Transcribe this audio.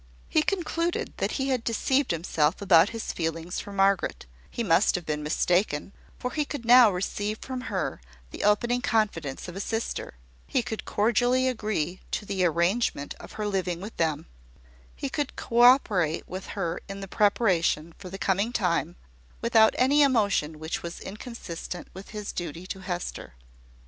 He concluded that he had deceived himself about his feelings for Margaret: he must have been mistaken; for he could now receive from her the opening confidence of a sister; he could cordially agree to the arrangement of her living with them; he could co operate with her in the preparation for the coming time, without any emotion which was inconsistent with his duty to Hester.